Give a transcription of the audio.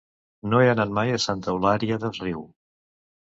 No he anat mai a Santa Eulària des Riu.